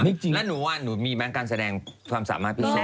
แล้วหนูว่าหนูมีแม่งการแสดงความสามารถพี่นะ